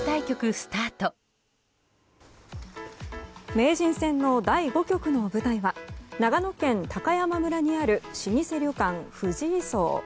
名人戦の第５局の舞台は長野県高山村にある老舗旅館、藤井荘。